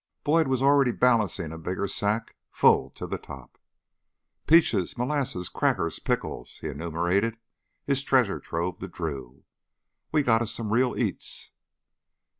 Boyd was already balancing a bigger sack, full to the top. "Peaches, molasses, crackers, pickles," he enumerated his treasure trove to Drew. "We got us some real eats."